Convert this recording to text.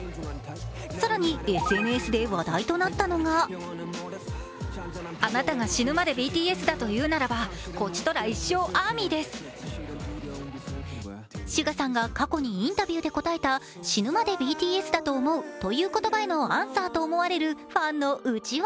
更に、ＳＮＳで話題となったのがＳＵＧＡさんが過去にインタビューで答えた死ぬまでＢＴＳだと思うという言葉へのアンサーと思われるファンのうちわ。